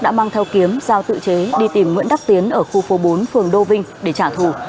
đã mang theo kiếm giao tự chế đi tìm nguyễn đắc tiến ở khu phố bốn phường đô vinh để trả thù